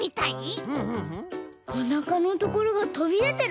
おなかのところがとびでてる。